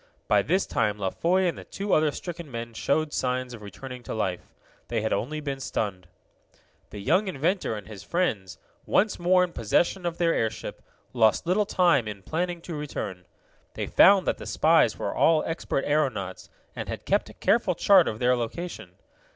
By this time La Foy and the two other stricken men showed signs of returning life. They had only been stunned. The young inventor and his friends, once more in possession of their airship, lost little time in planning to return. They found that the spies were all expert aeronauts, and had kept a careful chart of their location.